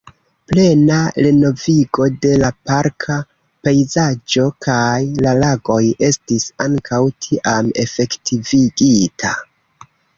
Plena renovigo de la parka pejzaĝo kaj la lagoj estis ankaŭ tiam efektivigita.